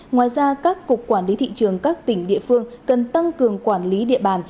ngoài ra các cục quản lý thị trường các tỉnh địa phương cần tăng cường quản lý địa bàn